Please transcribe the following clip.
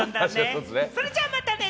それじゃまたね！